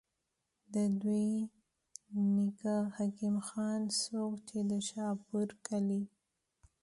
د دوي نيکۀ حکيم خان، څوک چې د شاهپور کلي